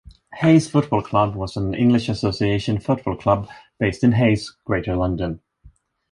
Hayes Football Club was an English association football club based in Hayes, Greater London.